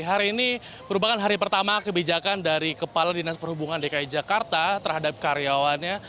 hari ini perubahan hari pertama kebijakan dari kepala dki jakarta terhadap karyawannya